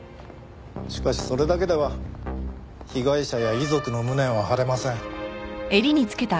しかしそれだけでは被害者や遺族の無念は晴れません。